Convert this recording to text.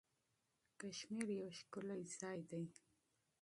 کشمیر یو ښکلی ځای دی.